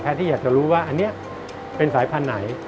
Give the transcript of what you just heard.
ที่อยากจะรู้ว่าอันนี้เป็นสายพันธุ์ไหน